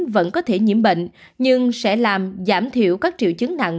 vẫn có thể nhiễm bệnh nhưng sẽ làm giảm thiểu các triệu chứng nặng